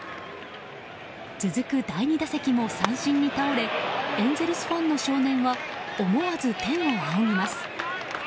続く第２打席も三振に倒れエンゼルスファンの少年は思わず天を仰ぎます。